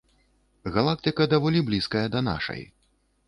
Галактыка даволі блізкая да нашай.